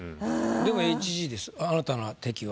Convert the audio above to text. でもＨＧですあなたの敵は。